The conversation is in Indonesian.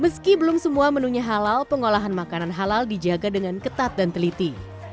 meski belum semua menunya halal pengolahan makanan halal dijaga dengan ketat dan teliti